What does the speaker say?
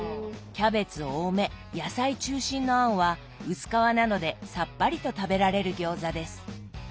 キャベツ多め野菜中心の餡は薄皮なのでさっぱりと食べられる餃子です。